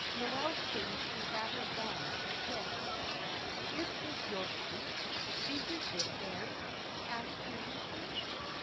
Noel's face grew rather long at this. "Is it your house? Do you live there?" he asked, curiously.